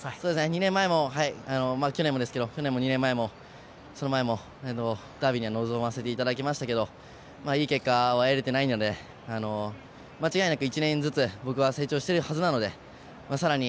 ２年前も去年も、その前もダービーには臨ませていただきましたけどいい結果を得れていないので間違いなく１年ずつ僕は成長しているはずなのでさらに